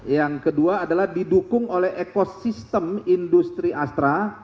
yang kedua adalah didukung oleh ekosistem industri astra